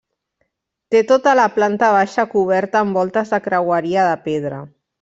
Té tota la planta baixa coberta amb voltes de creueria de pedra.